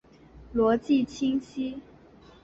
逻辑清晰！